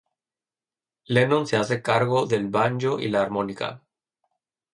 Lennon se hace cargo del banjo y la armónica.